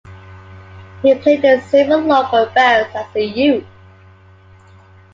He played in several local bands as a youth.